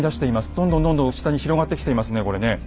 どんどんどんどん下に広がってきていますねこれね。